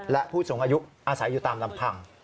และผู้สูงอายุอาศัยอยู่ตามลำพัง